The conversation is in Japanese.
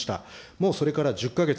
もうそれから１０か月。